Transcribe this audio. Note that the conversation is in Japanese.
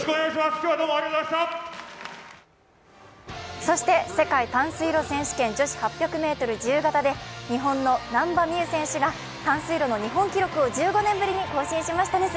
そして世界短水路選手権女子８００ｍ自由形で日本の難波実夢選手が短水路の日本記録を１５年ぶりに更新しましたね。